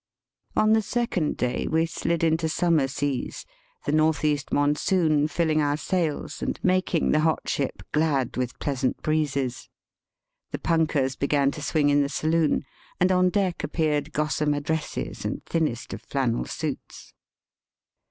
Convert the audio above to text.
On the second day we sM into summer seas, the north east monsoon filling our sails and making the hot ship glad with pleasant breezes. The punkahs began to swing in the saloon, and on deck appeared gossamer dresses and thinnest of flannel suits.